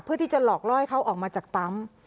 เพื่อที่จะหลอกล่อให้เขาออกมาจากปั๊ม